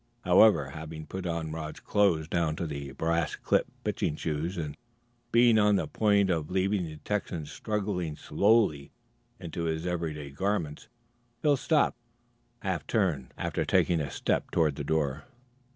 However, having put on Rod's clothes down to the brass clipped pitching shoes and being on the point of leaving the Texan struggling slowly into his everyday garments, Phil stopped and half turned, after taking a step toward the door.